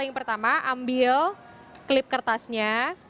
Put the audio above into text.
yang pertama ambil klip kertasnya